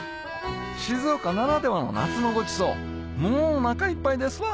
静岡ならではの夏のごちそうもうおなかいっぱいですわ！